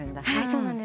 そうなんです。